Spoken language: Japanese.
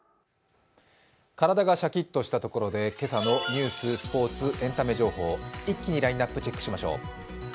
体がシャキッとしたところで、今朝のニュース、スポーツ、エンタメ情報、一気にラインナップ、チェックしましょう。